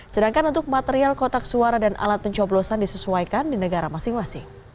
sedangkan untuk material kotak suara dan alat pencoblosan disesuaikan di negara masing masing